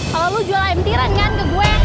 kalau lo jual ayam tiren kan ke gue